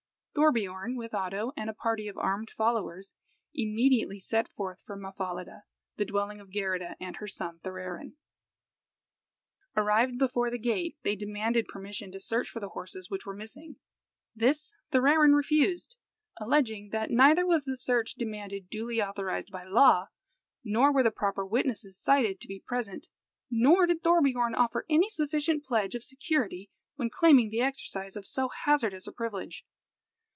Thorbiorn, with Oddo and a party of armed followers, immediately set forth for Mahfahlida, the dwelling of Geirrida and her son Thorarin. Arrived before the gate, they demanded permission to search for the horses which were missing. This Thorarin refused, alleging that neither was the search demanded duly authorised by law, nor were the proper witnesses cited to be present, nor did Thorbiorn offer any sufficient pledge of security when claiming the exercise of so hazardous a privilege.